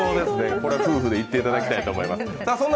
これは夫婦で行っていただきたいと思います。